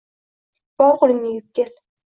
– Bor, qo‘lingni yuvib kel